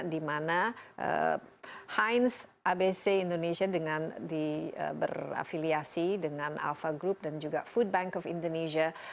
dimana heinz abc indonesia dengan berafiliasi dengan alfa group dan juga food bank of indonesia